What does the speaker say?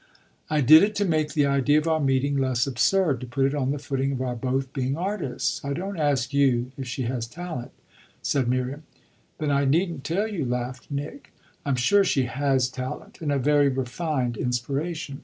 "I did it to make the idea of our meeting less absurd to put it on the footing of our both being artists. I don't ask you if she has talent," said Miriam. "Then I needn't tell you," laughed Nick. "I'm sure she has talent and a very refined inspiration.